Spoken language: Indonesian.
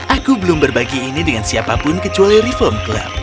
aku belum berbagi ini dengan siapapun kecuali reform club